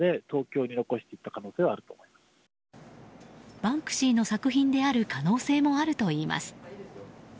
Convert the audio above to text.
バンクシーの作品である可能性もあるといいます。